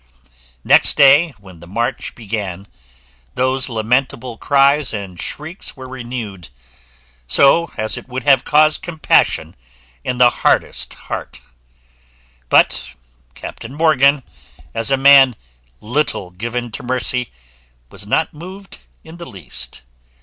Next day, when the march began, those lamentable cries and shrieks were renewed, so as it would have caused compassion in the hardest heart: but Captain Morgan, as a man little given to mercy, was not moved in the least.